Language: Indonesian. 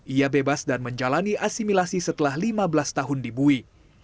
ia bebas dan menjalani asimilasi setelah lima belas tahun dibui